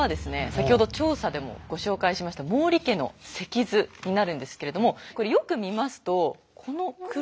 先ほど調査でもご紹介しました毛利家の席図になるんですけれどもこれよく見ますとこの黒いのを見て下さい。